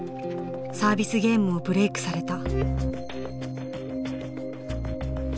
サービスゲームをブレークされた。